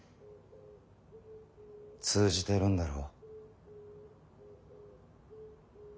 通じてるんだろ。